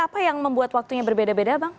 apa yang membuat waktunya berbeda beda bang